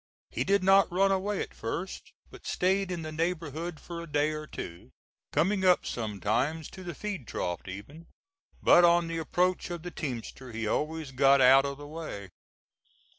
He did not run away at first, but staid in the neighborhood for a day or two, coming up sometimes to the feed trough even; but on the approach of the teamster he always got out of the way.